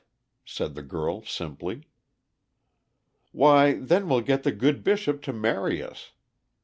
said the girl simply. "Why, then we'll get the good Bishop to marry us.